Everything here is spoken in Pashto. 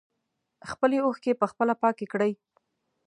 خپلې اوښکې په خپله پاکې کړئ.